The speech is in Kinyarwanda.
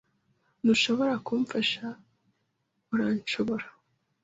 Ntushobora kumfasha, urashobora?